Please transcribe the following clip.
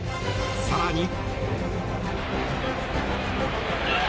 更に。